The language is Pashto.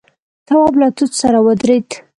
تواب له توت سره ودرېد.